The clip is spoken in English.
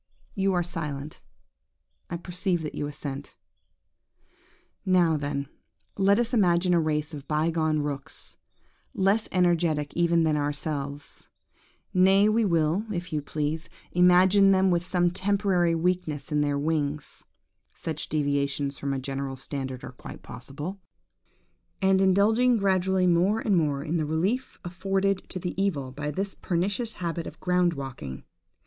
You are silent: I perceive that you assent. "Now, then, let us imagine a race of bygone rooks, less energetic even than ourselves; nay, we will, if you please, imagine them with some temporary weakness in their wings (such deviations from a general standard are quite possible), and indulging gradually more and more in the relief afforded to the evil by this pernicious habit of ground walking.